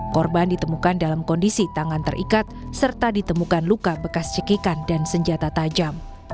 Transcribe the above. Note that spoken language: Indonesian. korban ditemukan dalam kondisi tangan terikat serta ditemukan luka bekas cekikan dan senjata tajam